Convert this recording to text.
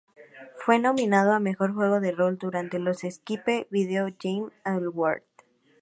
Fue nominado a mejor juego de rol durante los Spike Video Game Awards.